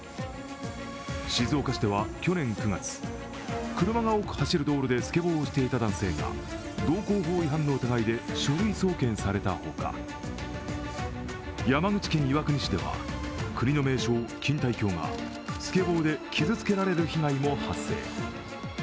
静岡市では去年９月車が多く走る道路でスケボーをしていた男性が道交法違反の疑いで書類送検されたほか山口県岩国市では国の名勝、錦帯橋がスケボーで傷つけられる被害も発生。